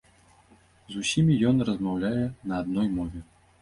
З усімі ён размаўляе на адной мове.